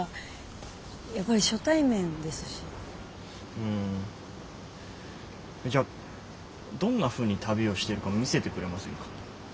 うんじゃあどんなふうに旅をしてるか見せてくれませんか？